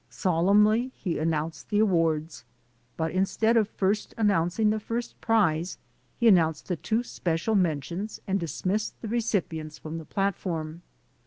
Solemnly he announced the awards, but instead of first announc ing the first prize, he announced the two special mentions and dismissed the recipients from the plat form.